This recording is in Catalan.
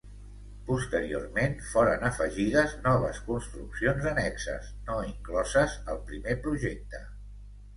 Posteriorment foren afegides noves construccions annexes no incloses al primer projecte.